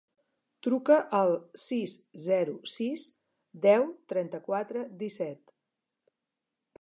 Truca al sis, zero, sis, deu, trenta-quatre, disset.